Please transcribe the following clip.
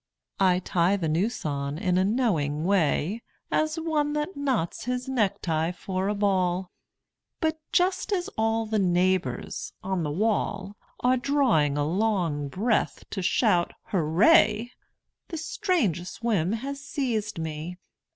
I tie the noose on in a knowing way As one that knots his necktie for a ball; But just as all the neighbours on the wall Are drawing a long breath to shout 'Hurray!' The strangest whim has seized me